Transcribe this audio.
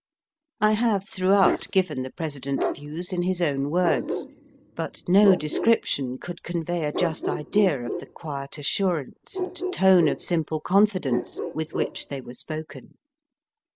I have throughout given the President's views in his own words ; but no description could convey a just idea of the quiet assurance and tone of simple confidence with which they were spoken.